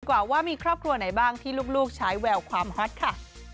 กว่าว่ามีครอบครัวไหนบ้างที่ลูกใช้แววความฮอตค่ะ